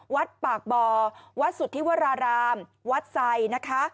วัดปากบ่อวัดสุธิวรารามวัดไซนะคะ